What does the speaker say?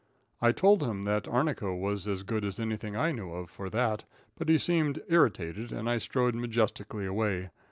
I told him that arnica was as good as anything I knew of for that, but he seemed irritated, and I strode majestically away.